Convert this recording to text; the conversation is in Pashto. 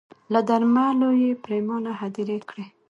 له درملو یې پرېماني هدیرې کړې